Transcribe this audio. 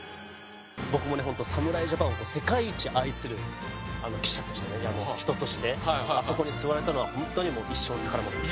僕もね本当侍ジャパンを世界一愛する記者としてねいやもう人としてあそこに座れたのは本当にもう一生の宝物です。